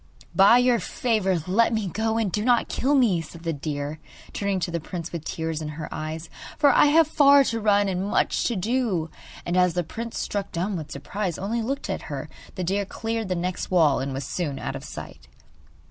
'By your favour let me go, and do not kill me,' said the deer, turning to the prince with tears in her eyes, 'for I have far to run and much to do.' And as the prince, struck dumb with surprise, only looked at her, the deer cleared the next wall and was soon out of sight.